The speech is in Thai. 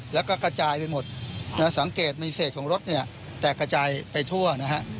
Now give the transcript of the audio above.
แล้วก็กระจายไปหมดสังเกตมีเศษของรถเนี่ยแตกกระจายไปทั่วนะฮะ